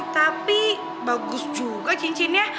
tapi bagus juga cincinnya